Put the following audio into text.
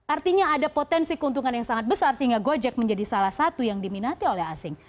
artinya ada potensi keuntungan yang sangat besar sehingga gojek menjadi salah satu yang diminati oleh asing